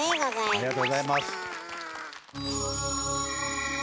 ありがとうございます。